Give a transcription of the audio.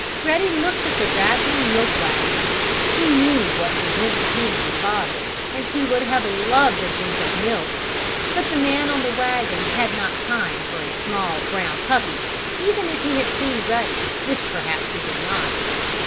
Ruddy looked at the rattling milk wagon. He knew what was in the cans and bottles, and he would have loved a drink of milk. But the man on the wagon had not time for small, brown puppies, even if he had seen Ruddy, which perhaps he did not.